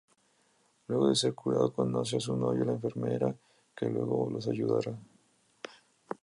Luego de ser curado, conoce a su novia, la enfermera, que luego los ayudará.